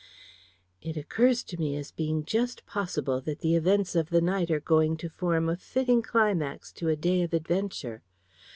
"It occurs to me as being just possible that the events of the night are going to form a fitting climax to a day of adventure.